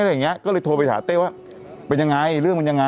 อย่างเงี้ยก็เลยโทรไปหาเต้ว่าเป็นยังไงเรื่องมันยังไง